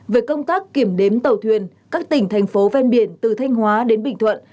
về công tác kiểm đếm tàu thuyền các tỉnh thành phố ven biển từ thanh hóa đến bình thuận